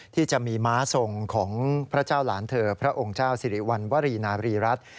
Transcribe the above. ที่จะมีม้าทรงของพระเจ้าหลานเธอพระองค์เจ้าสิริวัณวรีนาบรีรัฐ